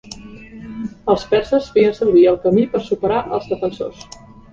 Els perses feien servir el camí per superar els defensors.